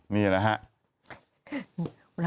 นี่ล่ะฮะ